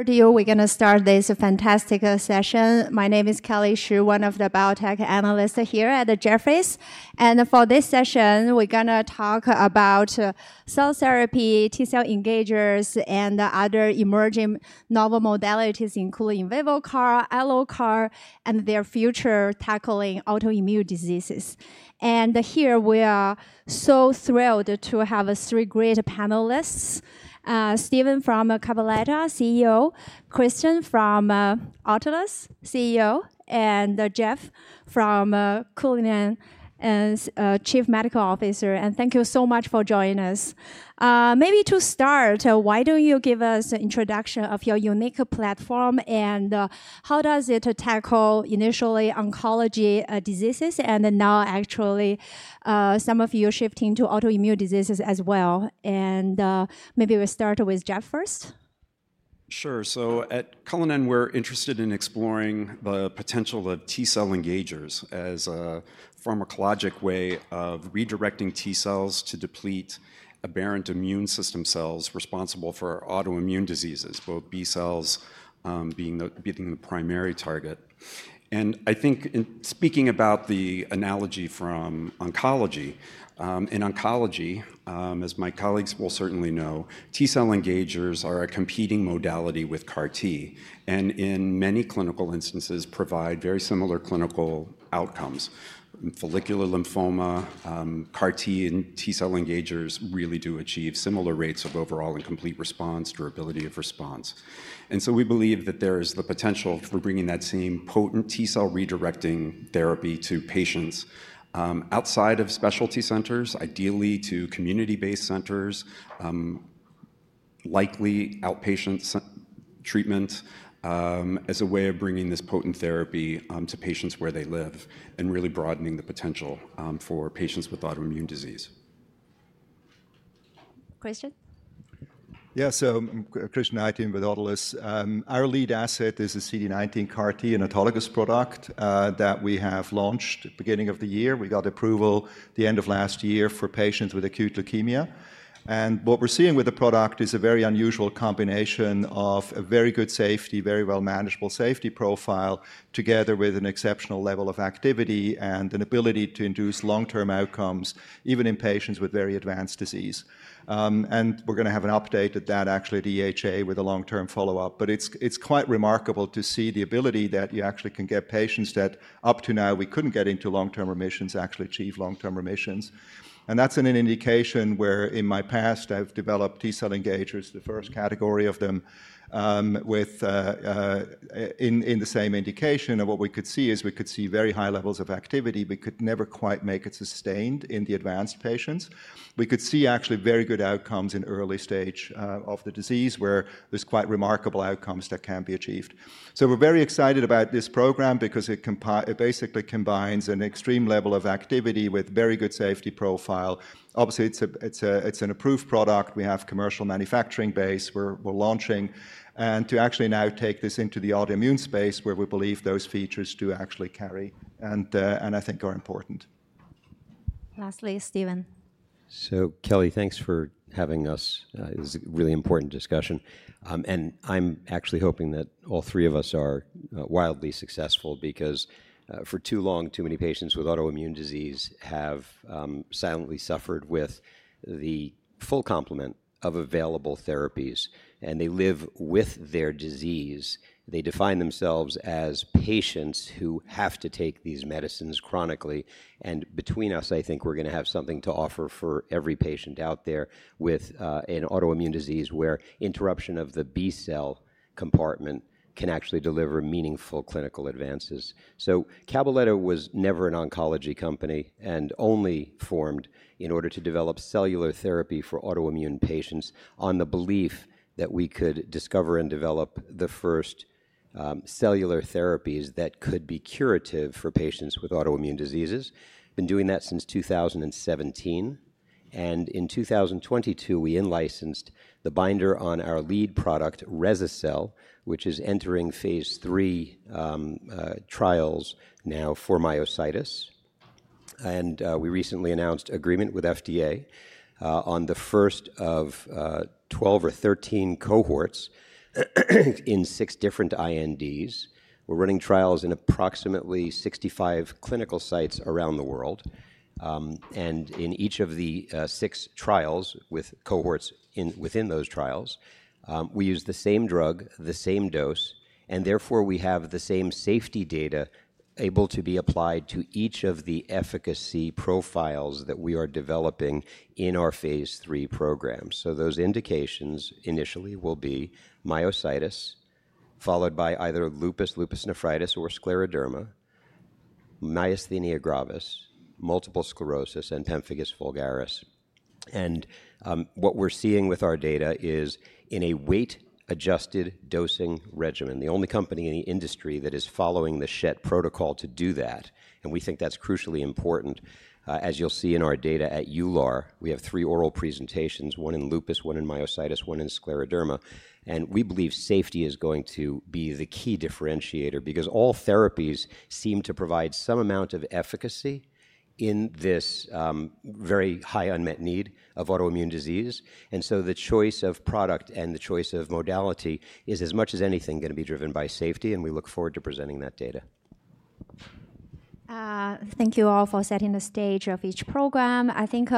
Studio, we're going to start this fantastic session. My name is Kelly Xu, one of the biotech analysts here at Jefferies. For this session, we're going to talk about cell therapy, T-cell engagers, and other emerging novel modalities, including VivoCar, AlloCar, and their future tackling autoimmune diseases. We are so thrilled to have three great panelists: Stephen from Cabaletta, CEO; Christian from Autolus, CEO; and Jeff from Cullinan, Chief Medical Officer. Thank you so much for joining us. Maybe to start, why don't you give us an introduction of your unique platform and how does it tackle initially oncology diseases and now actually some of you shifting to autoimmune diseases as well? Maybe we start with Jeff first. Sure. At Cullinan, we're interested in exploring the potential of T-cell engagers as a pharmacologic way of redirecting T cells to deplete aberrant immune system cells responsible for autoimmune diseases, both B cells being the primary target. I think speaking about the analogy from oncology, in oncology, as my colleagues will certainly know, T-cell engagers are a competing modality with CAR-T and in many clinical instances provide very similar clinical outcomes. Follicular lymphoma, CAR-T and T-cell engagers really do achieve similar rates of overall and complete response, durability of response. We believe that there is the potential for bringing that same potent T-cell redirecting therapy to patients outside of specialty centers, ideally to community-based centers, likely outpatient treatment as a way of bringing this potent therapy to patients where they live and really broadening the potential for patients with autoimmune disease. Question? Yeah, so Christian Itin with Cullinan Therapeutics. Our lead asset is a CD19 CAR-T, an autologous product that we have launched at the beginning of the year. We got approval at the end of last year for patients with acute lymphoblastic leukemia. What we're seeing with the product is a very unusual combination of a very good safety, very well manageable safety profile together with an exceptional level of activity and an ability to induce long-term outcomes even in patients with very advanced disease. We're going to have an update at that actually at EHA with a long-term follow-up. It is quite remarkable to see the ability that you actually can get patients that up to now we could not get into long-term remissions, actually achieve long-term remissions. That is an indication where in my past I have developed T-cell engagers, the first category of them in the same indication. What we could see is we could see very high levels of activity. We could never quite make it sustained in the advanced patients. We could see actually very good outcomes in early stage of the disease where there are quite remarkable outcomes that can be achieved. We are very excited about this program because it basically combines an extreme level of activity with a very good safety profile. Obviously, it is an approved product. We have a commercial manufacturing base we are launching. To actually now take this into the autoimmune space where we believe those features do actually carry and I think are important. Lastly, Stephen. Kelly, thanks for having us. It was a really important discussion. I'm actually hoping that all three of us are wildly successful because for too long, too many patients with autoimmune disease have silently suffered with the full complement of available therapies. They live with their disease. They define themselves as patients who have to take these medicines chronically. Between us, I think we're going to have something to offer for every patient out there with an autoimmune disease where interruption of the B cell compartment can actually deliver meaningful clinical advances. Cabaletta was never an oncology company and only formed in order to develop cellular therapy for autoimmune patients on the belief that we could discover and develop the first cellular therapies that could be curative for patients with autoimmune diseases. Been doing that since 2017. In 2022, we in-licensed the binder on our lead product, Rese-cel, which is entering phase three trials now for myositis. We recently announced agreement with FDA on the first of 12 or 13 cohorts in six different INDs. We're running trials in approximately 65 clinical sites around the world. In each of the six trials with cohorts within those trials, we use the same drug, the same dose, and therefore we have the same safety data able to be applied to each of the efficacy profiles that we are developing in our phase three program. Those indications initially will be myositis followed by either lupus, lupus nephritis, or scleroderma, myasthenia gravis, multiple sclerosis, and pemphigus vulgaris. What we're seeing with our data is in a weight-adjusted dosing regimen, the only company in the industry that is following the SHED protocol to do that. We think that is crucially important. As you will see in our data at EULAR, we have three oral presentations, one in lupus, one in myositis, one in scleroderma. We believe safety is going to be the key differentiator because all therapies seem to provide some amount of efficacy in this very high unmet need of autoimmune disease. The choice of product and the choice of modality is as much as anything going to be driven by safety. We look forward to presenting that data. Thank you all for setting the stage of each program. I think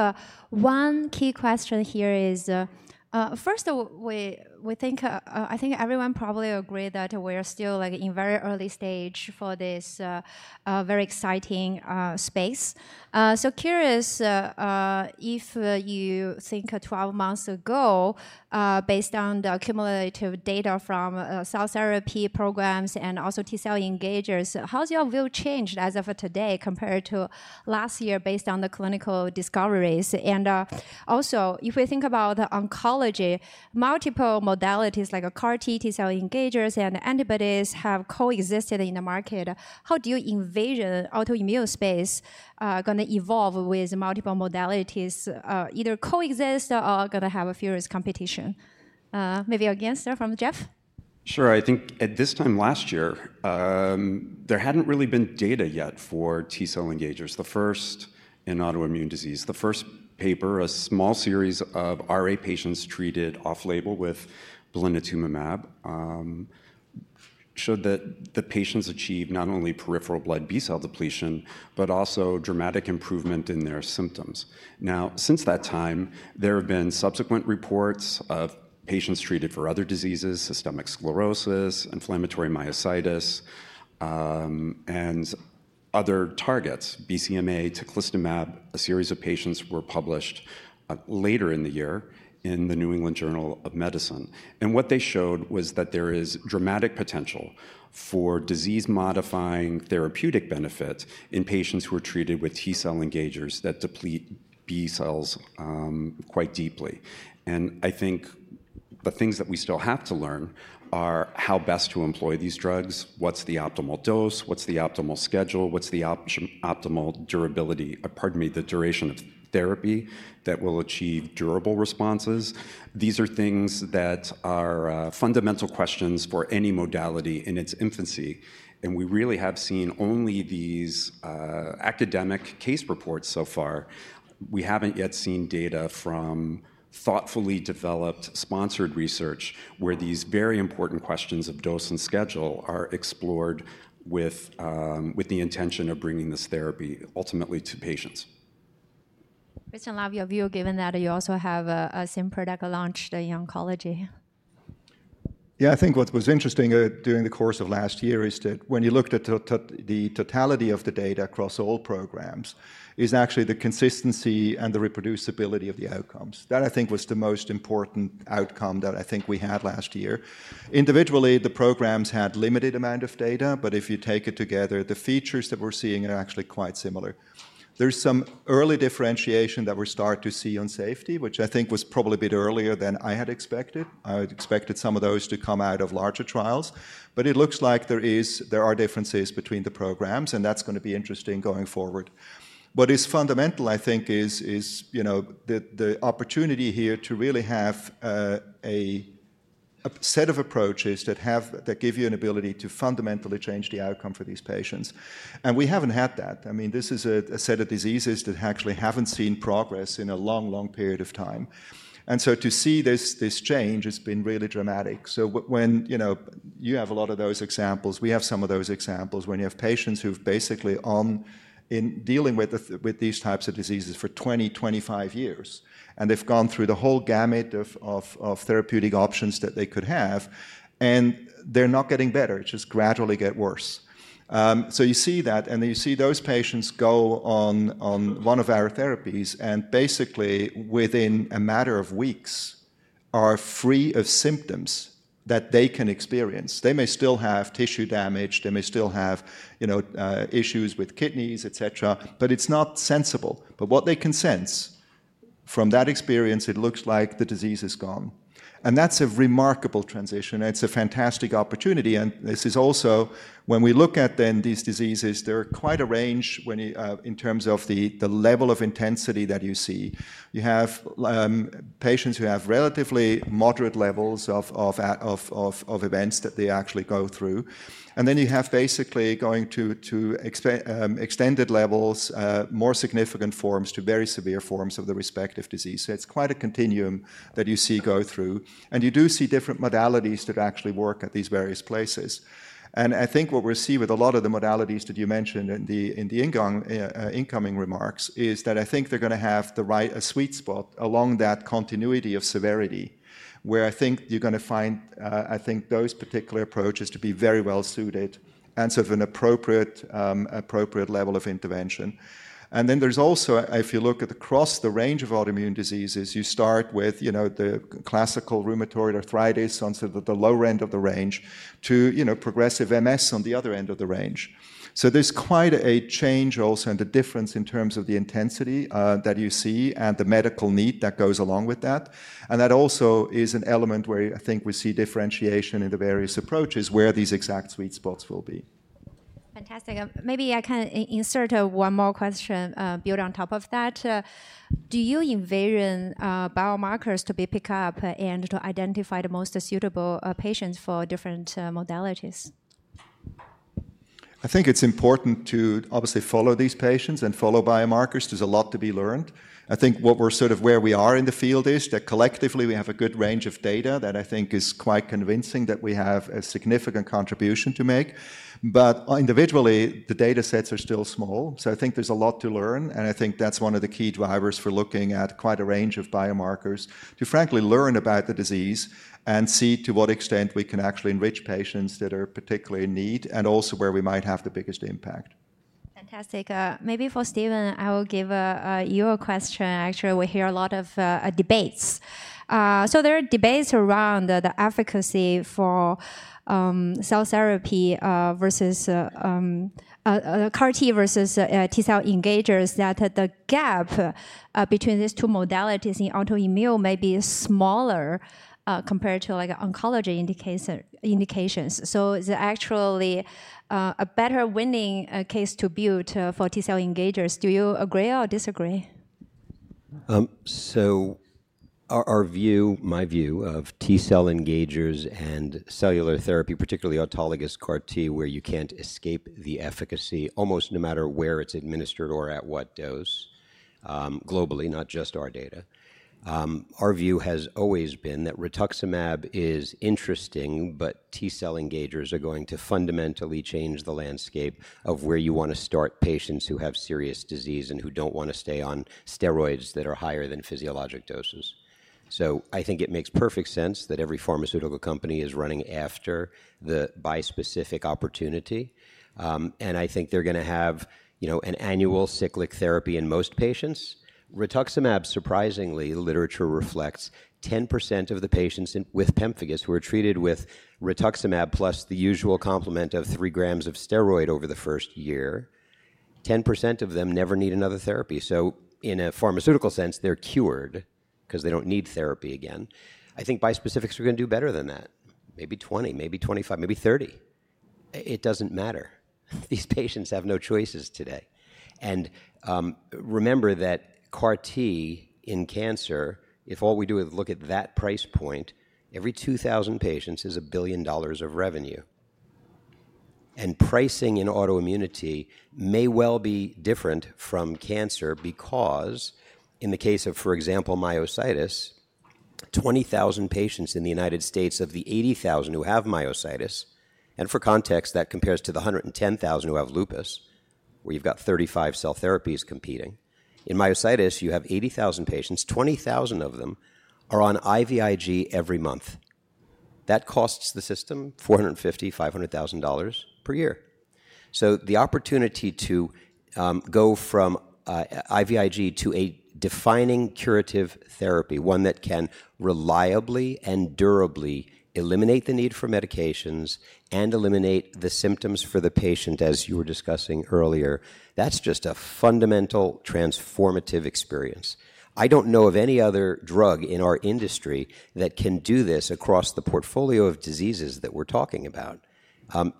one key question here is first, I think everyone probably agreed that we are still in very early stage for this very exciting space. Curious if you think 12 months ago, based on the cumulative data from cell therapy programs and also T-cell engagers, how's your view changed as of today compared to last year based on the clinical discoveries? Also, if we think about oncology, multiple modalities like CAR-T, T-cell engagers, and antibodies have coexisted in the market. How do you envision the autoimmune space going to evolve with multiple modalities? Either coexist or going to have a fierce competition? Maybe again, start from Jeff. Sure. I think at this time last year, there hadn't really been data yet for T-cell engagers. The first in autoimmune disease, the first paper, a small series of RA patients treated off-label with blinatumomab showed that the patients achieved not only peripheral blood B cell depletion, but also dramatic improvement in their symptoms. Now, since that time, there have been subsequent reports of patients treated for other diseases, systemic sclerosis, inflammatory myositis, and other targets, BCMA, tocilizumab. A series of patients were published later in the year in the New England Journal of Medicine. What they showed was that there is dramatic potential for disease-modifying therapeutic benefit in patients who are treated with T-cell engagers that deplete B cells quite deeply. I think the things that we still have to learn are how best to employ these drugs, what's the optimal dose, what's the optimal schedule, what's the optimal durability, pardon me, the duration of therapy that will achieve durable responses. These are things that are fundamental questions for any modality in its infancy. We really have seen only these academic case reports so far. We haven't yet seen data from thoughtfully developed sponsored research where these very important questions of dose and schedule are explored with the intention of bringing this therapy ultimately to patients. Christian, I love your view given that you also have a same product launched in oncology. Yeah, I think what was interesting during the course of last year is that when you looked at the totality of the data across all programs, it's actually the consistency and the reproducibility of the outcomes. That I think was the most important outcome that I think we had last year. Individually, the programs had a limited amount of data, but if you take it together, the features that we're seeing are actually quite similar. There's some early differentiation that we're starting to see on safety, which I think was probably a bit earlier than I had expected. I had expected some of those to come out of larger trials. It looks like there are differences between the programs, and that's going to be interesting going forward. What is fundamental, I think, is the opportunity here to really have a set of approaches that give you an ability to fundamentally change the outcome for these patients. I mean, this is a set of diseases that actually haven't seen progress in a long, long period of time. To see this change has been really dramatic. When you have a lot of those examples, we have some of those examples when you have patients who've basically been dealing with these types of diseases for 20-25 years, and they've gone through the whole gamut of therapeutic options that they could have, and they're not getting better. It just gradually gets worse. You see that, and you see those patients go on one of our therapies and basically within a matter of weeks are free of symptoms that they can experience. They may still have tissue damage. They may still have issues with kidneys, et cetera, but it's not sensible. What they can sense from that experience, it looks like the disease is gone. That is a remarkable transition. It is a fantastic opportunity. This is also when we look at these diseases, there are quite a range in terms of the level of intensity that you see. You have patients who have relatively moderate levels of events that they actually go through. You have basically going to extended levels, more significant forms to very severe forms of the respective disease. It is quite a continuum that you see go through. You do see different modalities that actually work at these various places. I think what we'll see with a lot of the modalities that you mentioned in the incoming remarks is that I think they're going to have the right sweet spot along that continuity of severity where I think you're going to find those particular approaches to be very well suited and sort of an appropriate level of intervention. There is also, if you look across the range of autoimmune diseases, you start with the classical rheumatoid arthritis on sort of the lower end of the range to progressive MS on the other end of the range. There is quite a change also and a difference in terms of the intensity that you see and the medical need that goes along with that. That also is an element where I think we see differentiation in the various approaches where these exact sweet spots will be. Fantastic. Maybe I can insert one more question built on top of that. Do you envision biomarkers to be picked up and to identify the most suitable patients for different modalities? I think it's important to obviously follow these patients and follow biomarkers. There's a lot to be learned. I think where we are in the field is that collectively we have a good range of data that I think is quite convincing that we have a significant contribution to make. Individually, the data sets are still small. I think there's a lot to learn. I think that's one of the key drivers for looking at quite a range of biomarkers to frankly learn about the disease and see to what extent we can actually enrich patients that are particularly in need and also where we might have the biggest impact. Fantastic. Maybe for Stephen, I will give you a question. Actually, we hear a lot of debates. There are debates around the efficacy for cell therapy versus CAR-T versus T-cell engagers that the gap between these two modalities in autoimmune may be smaller compared to oncology indications. It is actually a better winning case to build for T-cell engagers. Do you agree or disagree? Our view, my view of T-cell engagers and cellular therapy, particularly autologous CAR-T, where you can't escape the efficacy almost no matter where it's administered or at what dose globally, not just our data. Our view has always been that rituximab is interesting, but T-cell engagers are going to fundamentally change the landscape of where you want to start patients who have serious disease and who don't want to stay on steroids that are higher than physiologic doses. I think it makes perfect sense that every pharmaceutical company is running after the bispecific opportunity. I think they're going to have an annual cyclic therapy in most patients. Rituximab, surprisingly, literature reflects 10% of the patients with pemphigus who are treated with rituximab plus the usual complement of 3 grams of steroid over the first year, 10% of them never need another therapy. In a pharmaceutical sense, they're cured because they don't need therapy again. I think bispecifics are going to do better than that. Maybe 20, maybe 25, maybe 30. It doesn't matter. These patients have no choices today. Remember that CAR-T in cancer, if all we do is look at that price point, every 2,000 patients is a $1 billion of revenue. Pricing in autoimmunity may well be different from cancer because in the case of, for example, myositis, 20,000 patients in the United States of the 80,000 who have myositis, and for context, that compares to the 110,000 who have lupus, where you've got 35 cell therapies competing. In myositis, you have 80,000 patients. 20,000 of them are on IVIG every month. That costs the system $450,000-$500,000 per year. The opportunity to go from IVIG to a defining curative therapy, one that can reliably and durably eliminate the need for medications and eliminate the symptoms for the patient, as you were discussing earlier, that's just a fundamental transformative experience. I don't know of any other drug in our industry that can do this across the portfolio of diseases that we're talking about.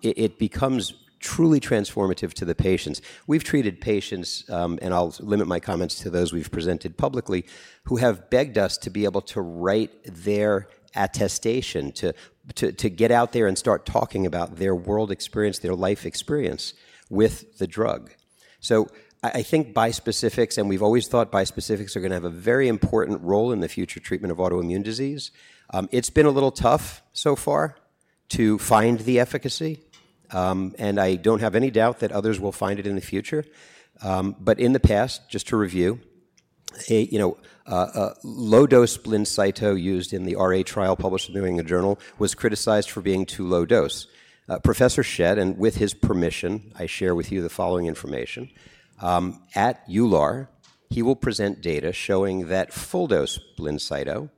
It becomes truly transformative to the patients. We've treated patients, and I'll limit my comments to those we've presented publicly, who have begged us to be able to write their attestation to get out there and start talking about their world experience, their life experience with the drug. I think bispecifics, and we've always thought bispecifics are going to have a very important role in the future treatment of autoimmune disease. It's been a little tough so far to find the efficacy. I do not have any doubt that others will find it in the future. In the past, just to review, low-dose blinatumomab used in the RA trial published in the New England Journal was criticized for being too low dose. Professor Schett, and with his permission, I share with you the following information. At EULAR, he will present data showing that full-dose blinatumomab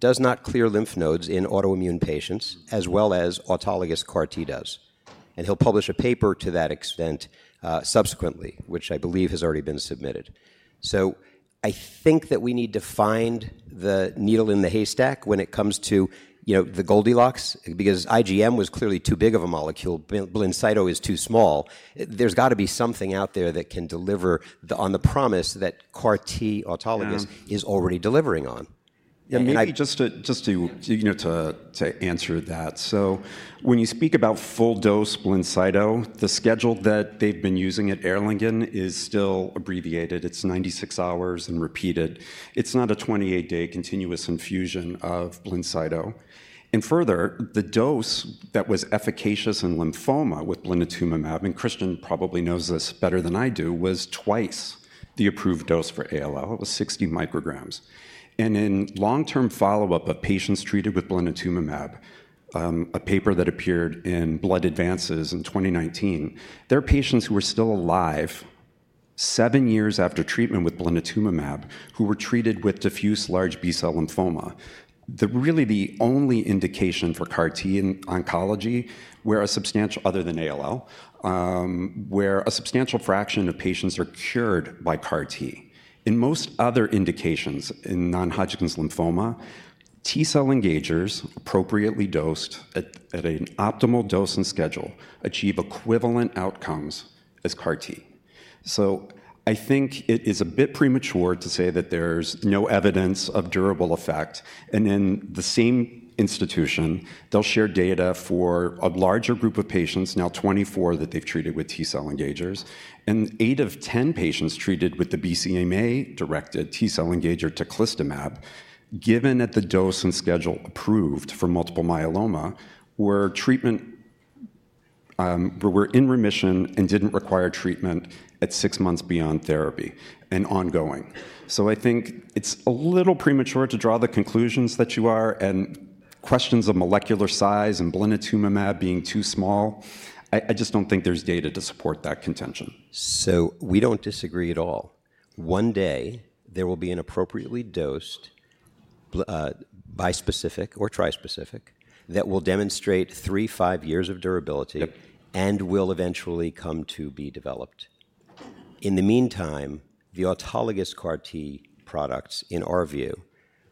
does not clear lymph nodes in autoimmune patients as well as autologous CAR-T does. He will publish a paper to that extent subsequently, which I believe has already been submitted. I think that we need to find the needle in the haystack when it comes to the Goldilocks, because IgM was clearly too big of a molecule. Blinatumomab is too small. There has got to be something out there that can deliver on the promise that CAR-T autologous is already delivering on. Yeah, maybe just to answer that. When you speak about full-dose blinatumomab, the schedule that they've been using at Erlangen is still abbreviated. It's 96 hours and repeated. It's not a 28-day continuous infusion of blinatumomab. Further, the dose that was efficacious in lymphoma with blinatumomab, and Christian probably knows this better than I do, was twice the approved dose for ALL. It was 60 micrograms. In long-term follow-up of patients treated with blinatumomab, a paper that appeared in Blood Advances in 2019, there are patients who were still alive seven years after treatment with blinatumomab who were treated with diffuse large B cell lymphoma. Really, the only indication for CAR-T in oncology other than ALL where a substantial fraction of patients are cured by CAR-T. In most other indications in non-Hodgkin's lymphoma, T-cell engagers appropriately dosed at an optimal dose and schedule achieve equivalent outcomes as CAR-T. I think it is a bit premature to say that there's no evidence of durable effect. In the same institution, they'll share data for a larger group of patients, now 24 that they've treated with T-cell engagers. Eight of 10 patients treated with the BCMA-directed T-cell engager teclistamab, given at the dose and schedule approved for multiple myeloma, were in remission and did not require treatment at six months beyond therapy and ongoing. I think it's a little premature to draw the conclusions that you are. Questions of molecular size and blinatumomab being too small, I just do not think there's data to support that contention. We do not disagree at all. One day, there will be an appropriately dosed bispecific or trispecific that will demonstrate three, five years of durability and will eventually come to be developed. In the meantime, the autologous CAR-T products, in our view,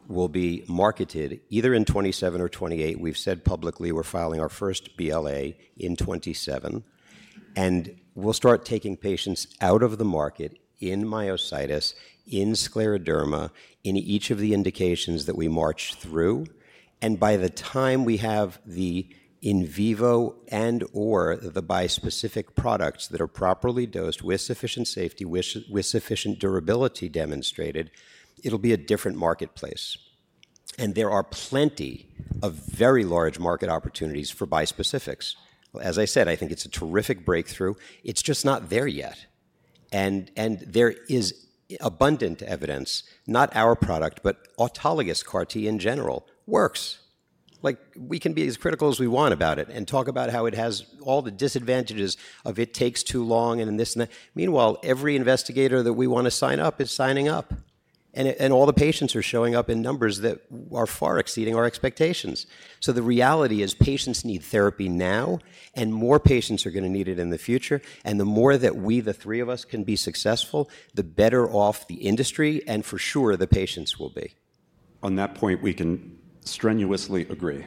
will be marketed either in 2027 or 2028. We have said publicly we are filing our first BLA in 2027. We will start taking patients out of the market in myositis, in scleroderma, in each of the indications that we march through. By the time we have the in vivo and/or the bispecific products that are properly dosed with sufficient safety, with sufficient durability demonstrated, it will be a different marketplace. There are plenty of very large market opportunities for bispecifics. As I said, I think it is a terrific breakthrough. It is just not there yet. There is abundant evidence, not our product, but autologous CAR-T in general works. We can be as critical as we want about it and talk about how it has all the disadvantages of it takes too long and this and that. Meanwhile, every investigator that we want to sign up is signing up. All the patients are showing up in numbers that are far exceeding our expectations. The reality is patients need therapy now, and more patients are going to need it in the future. The more that we, the three of us, can be successful, the better off the industry and for sure the patients will be. On that point, we can strenuously agree.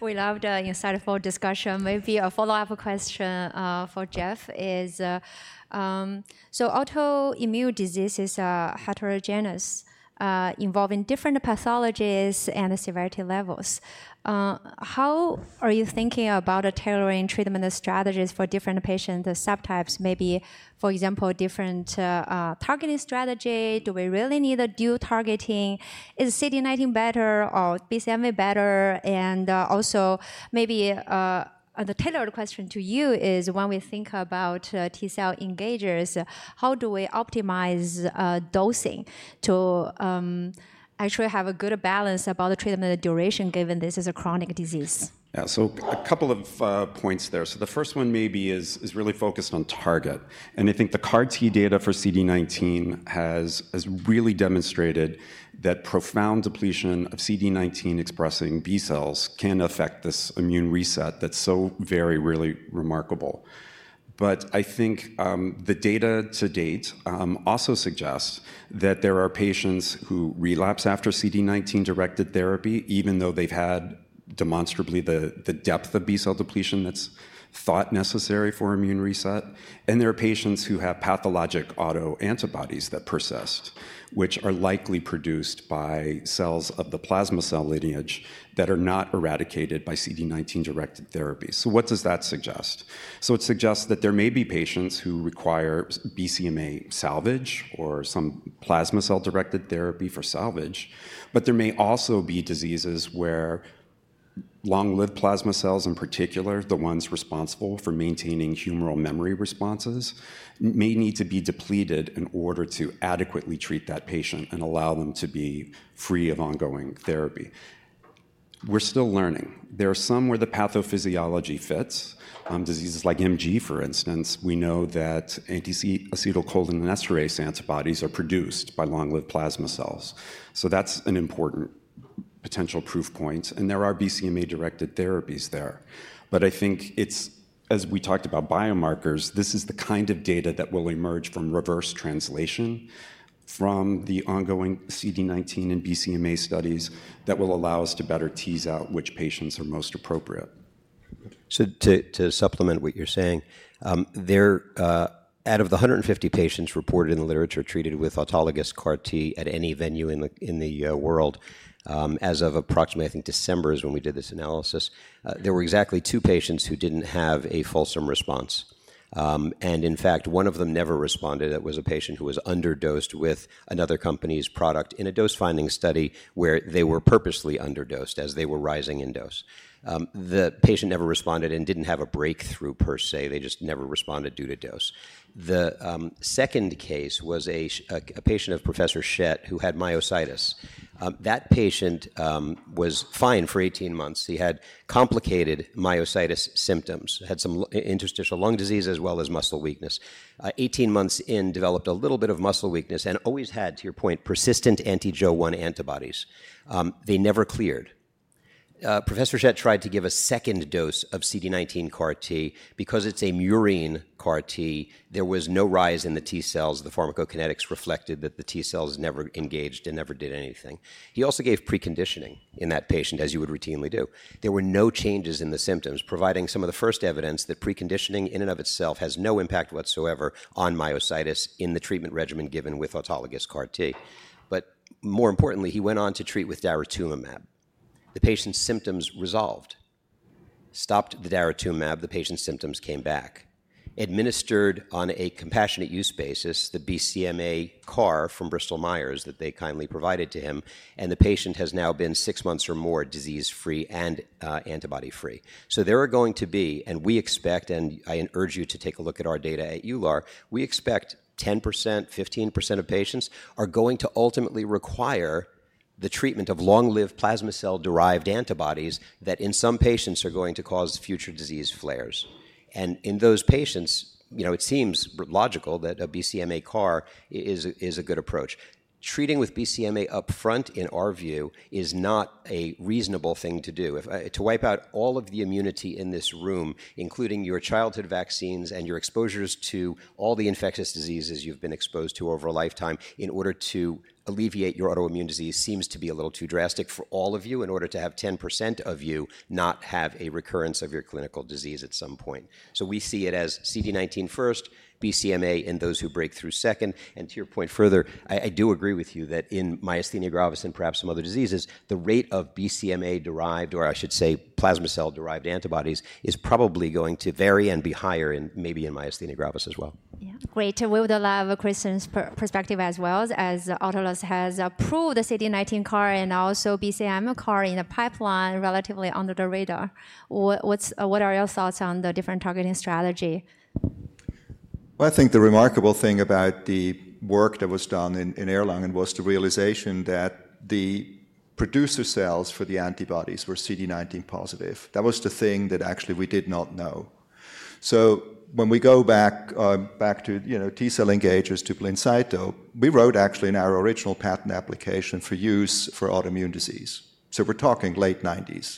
We loved your insightful discussion. Maybe a follow-up question for Jeff is, so autoimmune disease is heterogeneous, involving different pathologies and severity levels. How are you thinking about tailoring treatment strategies for different patient subtypes? Maybe, for example, different targeting strategy. Do we really need dual targeting? Is CD19 better or BCMA better? Also, maybe the tailored question to you is, when we think about T-cell engagers, how do we optimize dosing to actually have a good balance about the treatment duration given this is a chronic disease? Yeah, so a couple of points there. The first one maybe is really focused on target. I think the CAR-T data for CD19 has really demonstrated that profound depletion of CD19 expressing B cells can affect this immune reset that's so very really remarkable. I think the data to date also suggests that there are patients who relapse after CD19-directed therapy, even though they've had demonstrably the depth of B cell depletion that's thought necessary for immune reset. There are patients who have pathologic autoantibodies that persist, which are likely produced by cells of the plasma cell lineage that are not eradicated by CD19-directed therapy. What does that suggest? It suggests that there may be patients who require BCMA salvage or some plasma cell-directed therapy for salvage. There may also be diseases where long-lived plasma cells, in particular the ones responsible for maintaining humoral memory responses, may need to be depleted in order to adequately treat that patient and allow them to be free of ongoing therapy. We're still learning. There are some where the pathophysiology fits. Diseases like MG, for instance, we know that anti-acetylcholinesterase antibodies are produced by long-lived plasma cells. That's an important potential proof point. There are BCMA-directed therapies there. I think, as we talked about biomarkers, this is the kind of data that will emerge from reverse translation from the ongoing CD19 and BCMA studies that will allow us to better tease out which patients are most appropriate. To supplement what you're saying, out of the 150 patients reported in the literature treated with autologous CAR-T at any venue in the world, as of approximately, I think December is when we did this analysis, there were exactly two patients who did not have a fulsome response. In fact, one of them never responded. It was a patient who was underdosed with another company's product in a dose-finding study where they were purposely underdosed as they were rising in dose. The patient never responded and did not have a breakthrough per se. They just never responded due to dose. The second case was a patient of Professor Shed who had myositis. That patient was fine for 18 months. He had complicated myositis symptoms, had some interstitial lung disease as well as muscle weakness. Eighteen months in, developed a little bit of muscle weakness and always had, to your point, persistent anti-Jo-1 antibodies. They never cleared. Professor Shed tried to give a second dose of CD19 CAR-T. Because it's a murine CAR-T, there was no rise in the T cells. The pharmacokinetics reflected that the T cells never engaged and never did anything. He also gave preconditioning in that patient, as you would routinely do. There were no changes in the symptoms, providing some of the first evidence that preconditioning in and of itself has no impact whatsoever on myositis in the treatment regimen given with autologous CAR-T. More importantly, he went on to treat with daratumumab. The patient's symptoms resolved. Stopped the daratumumab, the patient's symptoms came back. Administered on a compassionate use basis, the BCMA CAR from Bristol Myers Squibb that they kindly provided to him. The patient has now been six months or more disease-free and antibody-free. There are going to be, and we expect, and I urge you to take a look at our data at EULAR, we expect 10%-15% of patients are going to ultimately require the treatment of long-lived plasma cell-derived antibodies that in some patients are going to cause future disease flares. In those patients, it seems logical that a BCMA CAR is a good approach. Treating with BCMA upfront, in our view, is not a reasonable thing to do. To wipe out all of the immunity in this room, including your childhood vaccines and your exposures to all the infectious diseases you've been exposed to over a lifetime in order to alleviate your autoimmune disease seems to be a little too drastic for all of you in order to have 10% of you not have a recurrence of your clinical disease at some point. We see it as CD19 first, BCMA in those who break through second. To your point further, I do agree with you that in myasthenia gravis and perhaps some other diseases, the rate of BCMA-derived, or I should say plasma cell-derived antibodies, is probably going to vary and be higher in maybe in myasthenia gravis as well. Yeah. Great. We would love Christian's perspective as well as Autolus has approved the CD19 CAR and also BCMA CAR in the pipeline relatively under the radar. What are your thoughts on the different targeting strategy? I think the remarkable thing about the work that was done in Erlangen was the realization that the producer cells for the antibodies were CD19 positive. That was the thing that actually we did not know. When we go back to T-cell engagers to blinatumomab, we wrote actually in our original patent application for use for autoimmune disease. We are talking late 1990s.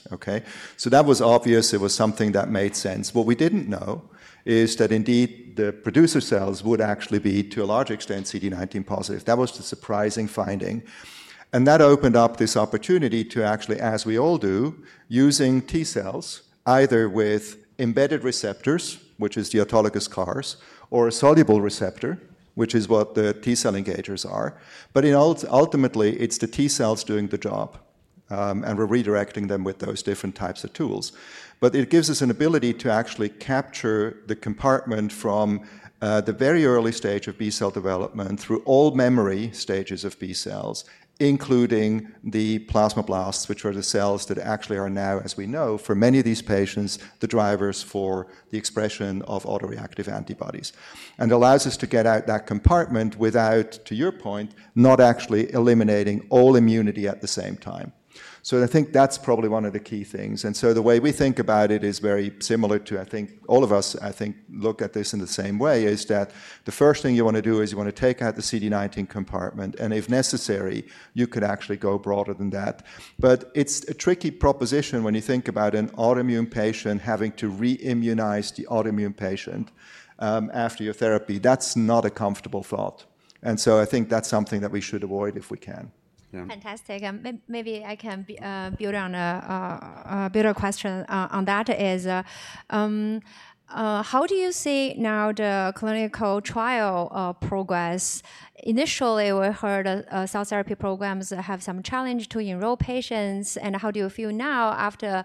That was obvious. It was something that made sense. What we did not know is that indeed the producer cells would actually be, to a large extent, CD19 positive. That was the surprising finding. That opened up this opportunity to actually, as we all do, using T cells either with embedded receptors, which is the autologous CARs, or a soluble receptor, which is what the T-cell engagers are. Ultimately, it is the T cells doing the job. We're redirecting them with those different types of tools. It gives us an ability to actually capture the compartment from the very early stage of B cell development through all memory stages of B cells, including the plasma blasts, which are the cells that actually are now, as we know, for many of these patients, the drivers for the expression of autoreactive antibodies. It allows us to get out that compartment without, to your point, not actually eliminating all immunity at the same time. I think that's probably one of the key things. The way we think about it is very similar to, I think, all of us, I think, look at this in the same way, is that the first thing you want to do is you want to take out the CD19 compartment. If necessary, you could actually go broader than that. It is a tricky proposition when you think about an autoimmune patient having to re-immunize the autoimmune patient after your therapy. That is not a comfortable thought. I think that is something that we should avoid if we can. Fantastic. Maybe I can build on a question on that. How do you see now the clinical trial progress? Initially, we heard cell therapy programs have some challenge to enroll patients. How do you feel now after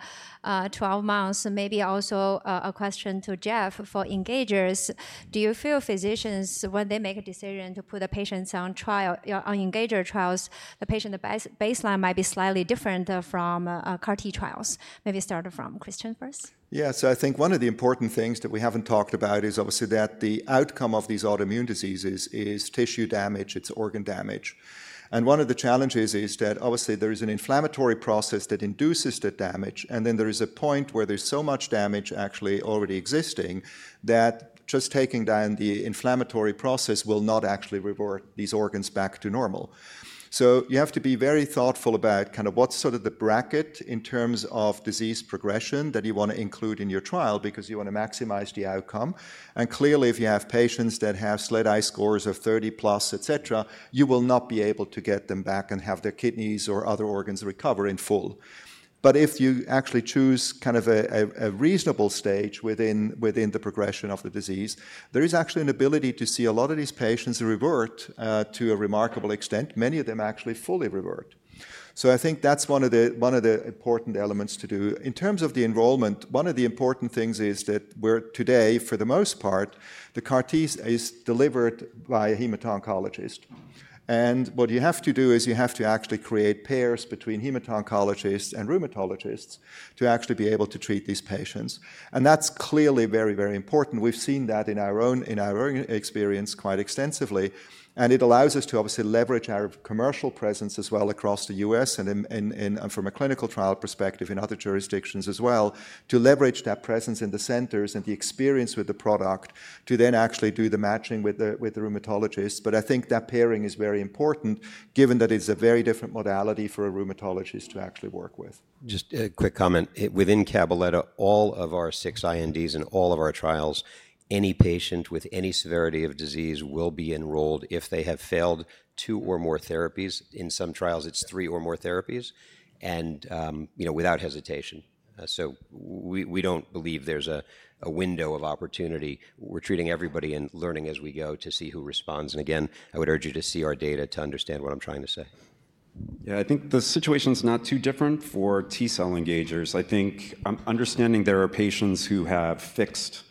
12 months? Maybe also a question to Jeff for engagers. Do you feel physicians, when they make a decision to put a patient on trial, on engager trials, the patient baseline might be slightly different from CAR-T trials? Maybe start from Christian first. Yeah. I think one of the important things that we haven't talked about is obviously that the outcome of these autoimmune diseases is tissue damage. It's organ damage. One of the challenges is that obviously there is an inflammatory process that induces the damage. There is a point where there's so much damage actually already existing that just taking down the inflammatory process will not actually revert these organs back to normal. You have to be very thoughtful about kind of what's sort of the bracket in terms of disease progression that you want to include in your trial because you want to maximize the outcome. Clearly, if you have patients that have slide eye scores of 30 plus, et cetera, you will not be able to get them back and have their kidneys or other organs recover in full. If you actually choose kind of a reasonable stage within the progression of the disease, there is actually an ability to see a lot of these patients revert to a remarkable extent. Many of them actually fully revert. I think that's one of the important elements to do. In terms of the enrollment, one of the important things is that today, for the most part, the CAR-T is delivered by a hematoncologist. What you have to do is you have to actually create pairs between hematoncologists and rheumatologists to actually be able to treat these patients. That's clearly very, very important. We've seen that in our own experience quite extensively. It allows us to obviously leverage our commercial presence as well across the U.S. and from a clinical trial perspective in other jurisdictions as well to leverage that presence in the centers and the experience with the product to then actually do the matching with the rheumatologist. I think that pairing is very important given that it is a very different modality for a rheumatologist to actually work with. Just a quick comment. Within Cabaletta, all of our six INDs and all of our trials, any patient with any severity of disease will be enrolled if they have failed two or more therapies. In some trials, it's three or more therapies without hesitation. We do not believe there's a window of opportunity. We're treating everybody and learning as we go to see who responds. Again, I would urge you to see our data to understand what I'm trying to say. Yeah, I think the situation is not too different for T-cell engagers. I think understanding there are patients who have fixed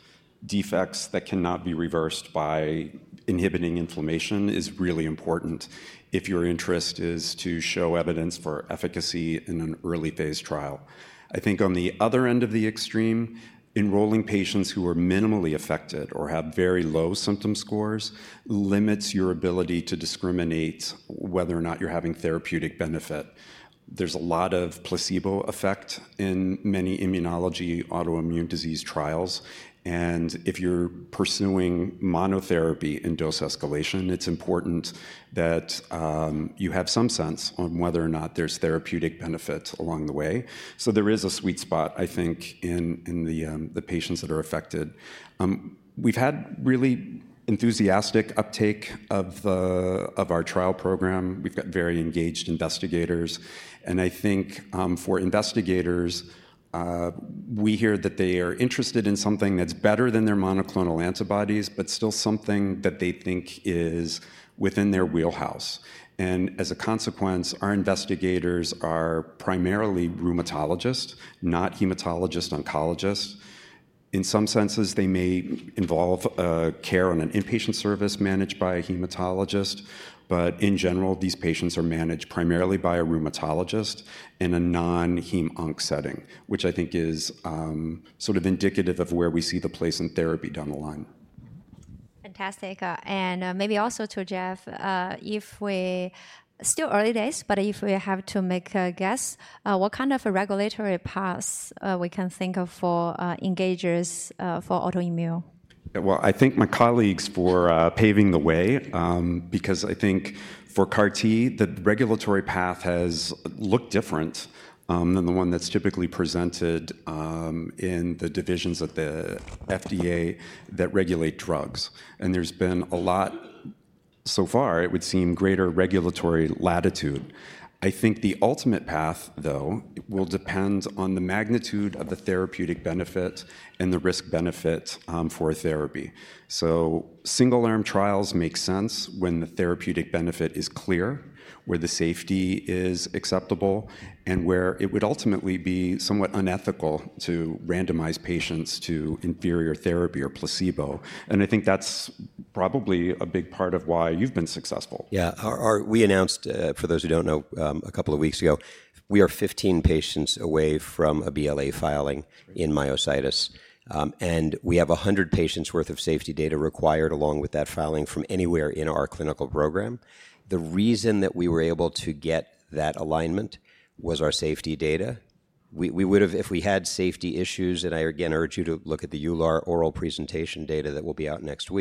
defects that cannot be reversed by inhibiting inflammation is really important if your interest is to show evidence for efficacy in an early phase trial. I think on the other end of the extreme, enrolling patients who are minimally affected or have very low symptom scores limits your ability to discriminate whether or not you're having therapeutic benefit. There's a lot of placebo effect in many immunology autoimmune disease trials. If you're pursuing monotherapy in dose escalation, it's important that you have some sense on whether or not there's therapeutic benefit along the way. There is a sweet spot, I think, in the patients that are affected. We've had really enthusiastic uptake of our trial program. We've got very engaged investigators. I think for investigators, we hear that they are interested in something that's better than their monoclonal antibodies, but still something that they think is within their wheelhouse. As a consequence, our investigators are primarily rheumatologists, not hematologists, oncologists. In some senses, they may involve care on an inpatient service managed by a hematologist. In general, these patients are managed primarily by a rheumatologist in a non-heme-onc setting, which I think is sort of indicative of where we see the place in therapy down the line. Fantastic. Maybe also to Jeff, if we still early days, but if we have to make a guess, what kind of regulatory paths we can think of for engagers for autoimmune? I think my colleagues for paving the way because I think for CAR-T, the regulatory path has looked different than the one that's typically presented in the divisions of the FDA that regulate drugs. There's been a lot so far, it would seem, greater regulatory latitude. I think the ultimate path, though, will depend on the magnitude of the therapeutic benefit and the risk-benefit for therapy. Single-arm trials make sense when the therapeutic benefit is clear, where the safety is acceptable, and where it would ultimately be somewhat unethical to randomize patients to inferior therapy or placebo. I think that's probably a big part of why you've been successful. Yeah. We announced, for those who do not know, a couple of weeks ago, we are 15 patients away from a BLA filing in myositis. And we have 100 patients' worth of safety data required along with that filing from anywhere in our clinical program. The reason that we were able to get that alignment was our safety data. If we had safety issues, and I again urge you to look at the EULAR oral presentation data that will be out next month.